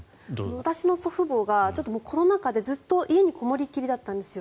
私の祖父母がコロナ禍でずっと家にこもりっきりだったんですよ。